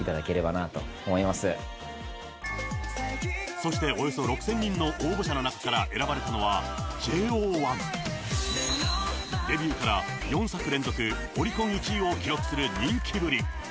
そして、およそ６０００人の候補者の中から選ばれたのはＪＯ１。デビューから４作連続オリコン１位を記録する人気ぶり。